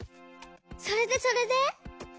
それでそれで？